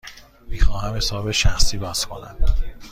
می خواهم حساب شخصی باز کنم.